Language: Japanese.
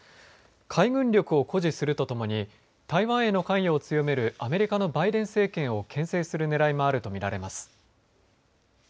海軍力を誇示するとともに台湾への関与を強めるアメリカのバイデン政権をけん制する狙いもあるとみられます。